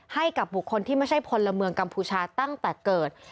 ให้กับบุคคลที่ไม่ใช่พลเมืองกัมพูชาตั้งแต่เกิด